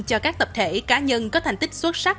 cho các tập thể cá nhân có thành tích xuất sắc